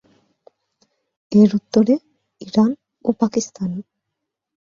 এর উত্তরে ইরান ও পাকিস্তান।